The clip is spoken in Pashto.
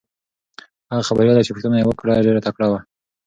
هغه خبریاله چې پوښتنه یې وکړه ډېره تکړه وه.